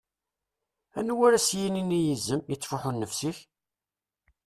Anwa ara as-yinin i yizem: "Ittfuḥu nnefs-ik"?